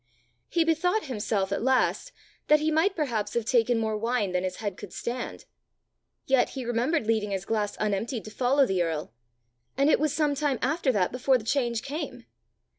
He bethought himself at last that he might perhaps have taken more wine than his head could stand. Yet he remembered leaving his glass unemptied to follow the earl; and it was some time after that before the change came!